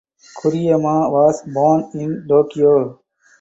Kuriyama was born in Tokyo.